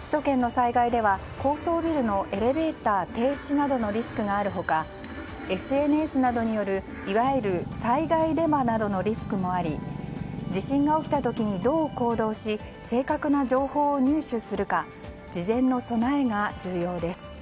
首都圏の災害では高層ビルのエレベーター停止などのリスクがある他ＳＮＳなどによるいわゆる災害デマなどのリスクもあり地震が起きた時に、どう行動し正確な情報を入手するか事前の備えが重要です。